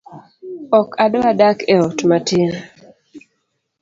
Ok adwa dak e ot matin